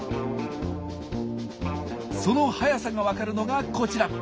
その速さが分かるのがこちら。